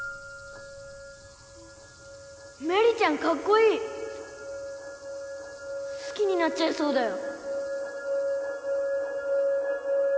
芽李ちゃんかっこいい好きになっちゃいそうだよ